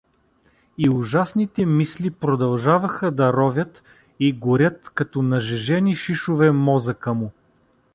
И ужасните мисли продължаваха да ровят и горят, като нажежени шишове, мозъка му.